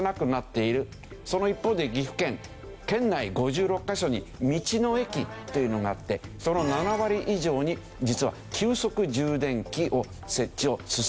その一方で岐阜県県内５６カ所に道の駅というのがあってその７割以上に実は急速充電器を設置を進めている。